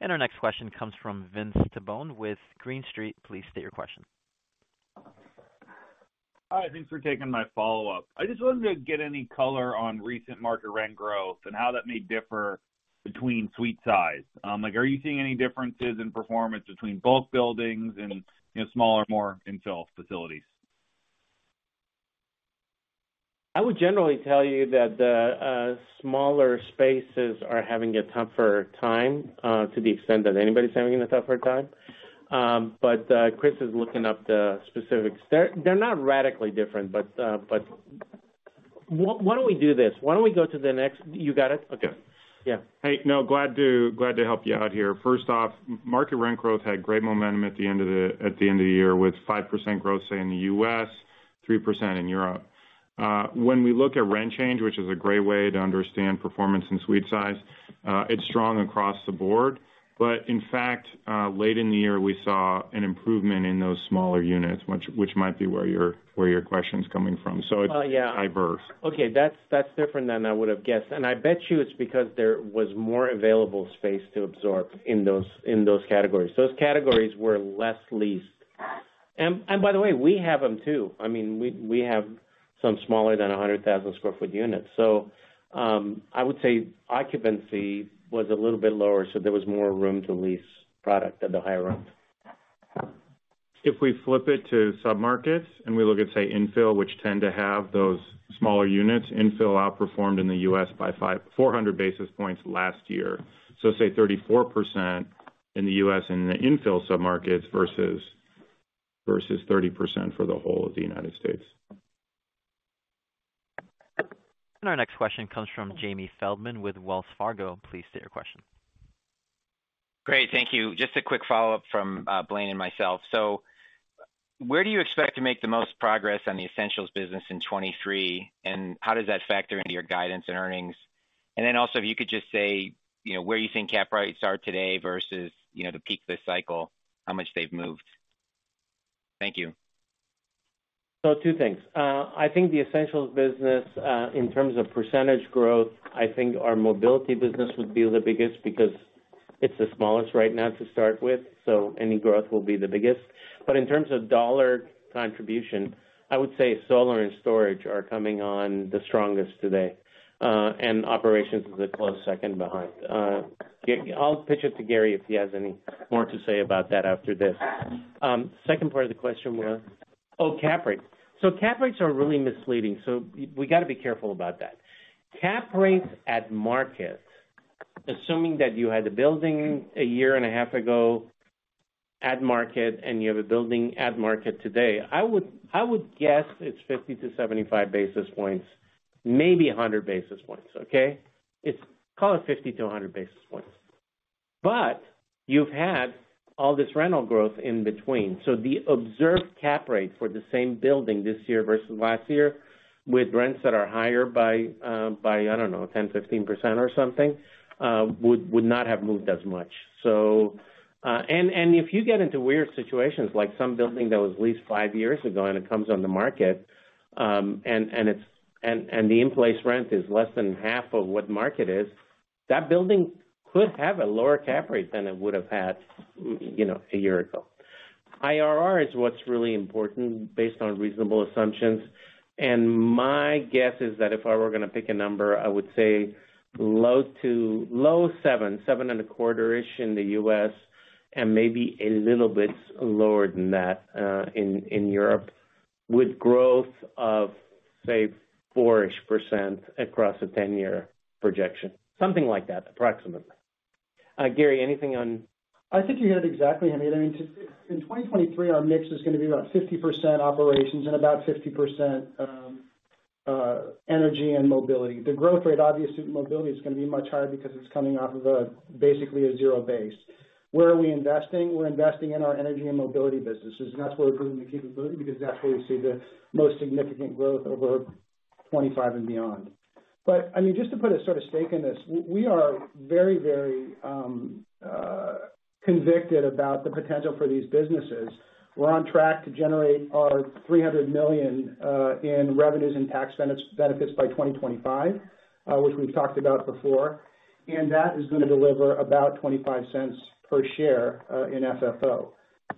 Our next question comes from Vince Tibone with Green Street. Please state your question. Hi, thanks for taking my follow-up. I just wanted to get any color on recent market rent growth and how that may differ between suite size. like, are you seeing any differences in performance between both buildings and, smaller, more infill facilities? I would generally tell you that the smaller spaces are having a tougher time to the extent that anybody's having a tougher time. Chris is looking up the specifics. They're not radically different. Why don't we do this? Why don't we go to the next... You got it? Okay. Yeah. Hey, no, glad to help you out here. First off, market rent growth had great momentum at the end of the year with 5% growth, say, in the U.S., 3% in Europe. When we look at rent change, which is a great way to understand performance and suite size, it's strong across the board. In fact, late in the year, we saw an improvement in those smaller units, which might be where your question's coming from. It's. Oh, yeah. Diverse. Okay, that's different than I would've guessed. I bet you it's because there was more available space to absorb in those, in those categories. Those categories were less leased. By the way, we have them too. I mean, we have some smaller than 100,000 sq ft units. I would say occupancy was a little bit lower, so there was more room to lease product at the higher end. If we flip it to sub-markets, and we look at, say, infill, which tend to have those smaller units, infill outperformed in the US by 400 basis points last year. Say 34% in the US in the infill sub-markets versus 30% for the whole of the United States. Our next question comes from Jamie Feldman with Wells Fargo. Please state your question. Great. Thank you. Just a quick follow-up from Blaine and myself. Where do you expect to make the most progress on the Essentials business in 23, and how does that factor into your guidance and earnings? Also, if you could just say, where you think cap rates are today versus, the peak this cycle, how much they've moved? Thank you. Two things. I think the Essentials business, in terms of % growth, I think our mobility business would be the biggest because it's the smallest right now to start with, so any growth will be the biggest. In terms of $ contribution, I would say solar and storage are coming on the strongest today, and operations is a close second behind. I'll pitch it to Gary if he has any more to say about that after this. Second part of the question was? Oh, cap rate. Cap rates are really misleading, so we gotta be careful about that. Cap rates at market, assuming that you had the building a year and a half ago at market and you have a building at market today, I would guess it's 50 to 75 basis points, maybe 100 basis points, okay? It's call it 50 to 100 basis points. You've had all this rental growth in between. The observed cap rate for the same building this year versus last year with rents that are higher by, I don't know, 10, 15% or something, would not have moved as much. And if you get into weird situations like some building that was leased 5 years ago and it comes on the market, and the in-place rent is less than half of what market is, that building could have a lower cap rate than it would've had, a year ago. IRR is what's really important based on reasonable assumptions. My guess is that if I were gonna pick a number, I would say low 7 and a quarter-ish in the U.S., and maybe a little bit lower than that, in Europe, with growth of, say, 4-ish% across a 10-year projection. Something like that, approximately. Gary, anything on? I think you hit it exactly, Hamid. I mean, in 2023, our mix is gonna be about 50% operations and about 50%, energy and mobility. The growth rate, obviously, with mobility is gonna be much higher because it's coming off of a basically a zero base. Where are we investing? We're investing in our energy and mobility businesses, and that's where we're proving the capability because that's where we see the most significant growth over 2025 and beyond. I mean, just to put a sort of stake in this, we are very, very convicted about the potential for these businesses. We're on track to generate our $300 million in revenues and tax benefits by 2025, which we've talked about before. That is gonna deliver about $0.25 per share in FFO.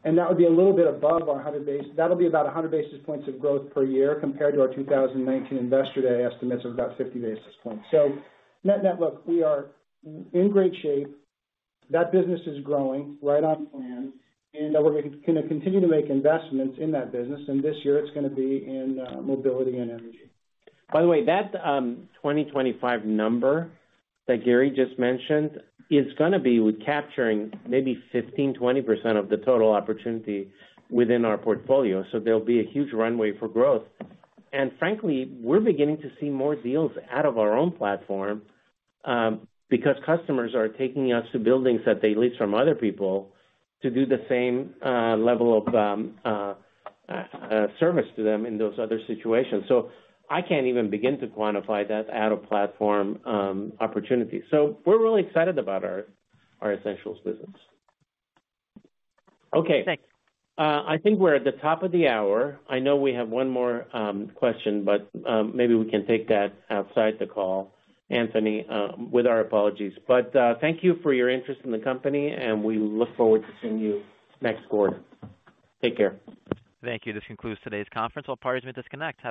That would be a little bit above our 100 base. That'll be about 100 basis points of growth per year compared to our 2019 Investor Day estimates of about 50 basis points. Net, net, look, we are in great shape. That business is growing right on plan, and we're gonna continue to make investments in that business, and this year it's gonna be in mobility and energy. By the way, that 2025 number that Gary just mentioned is gonna be with capturing maybe 15%-20% of the total opportunity within our portfolio. There'll be a huge runway for growth. Frankly, we're beginning to see more deals out of our own platform because customers are taking us to buildings that they lease from other people to do the same level of service to them in those other situations. I can't even begin to quantify that out-of-platform opportunity. We're really excited about our Essentials business. Okay, thanks. I think we're at the top of the hour. I know we have one more question, but maybe we can take that outside the call, Anthony, with our apologies. Thank you for your interest in the company, and we look forward to seeing you next quarter. Take care. Thank you. This concludes today's conference. All parties may disconnect.